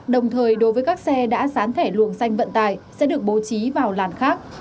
đồng thời đối với các xe đã sán thẻ luồng xanh vận tài sẽ được bố trí vào làn khác